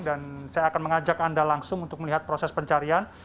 dan saya akan mengajak anda langsung untuk melihat proses pencarian